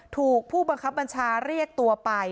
ถูกผู้บังคับบัญชาเรียกตัวไป